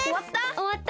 おわった？